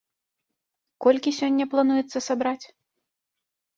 Колькі сёння плануецца сабраць?